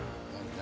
何？